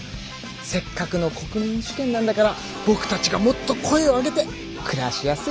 せっかくの国民主権なんだからぼくたちがもっと声を上げて暮らしやすい社会にしなくちゃね。